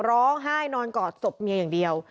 ร้องไห้นอนกอดศพเมียอย่างเดียว